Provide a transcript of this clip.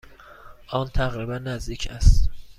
آن تقریبا نزدیک است.